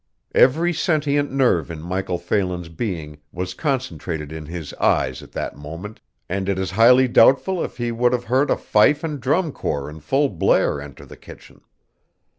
Every sentient nerve in Michael Phelan's being was concentrated in his eyes at that moment and it is highly doubtful if he would have heard a fife and drum corps in full blare enter the kitchen.